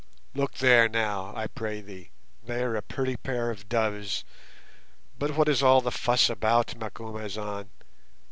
Look there now, I pray thee, they are a pretty pair of doves, but what is all the fuss about, Macumazahn?